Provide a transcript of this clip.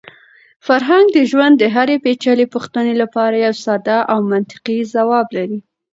فرهنګ د ژوند د هرې پېچلې پوښتنې لپاره یو ساده او منطقي ځواب لري.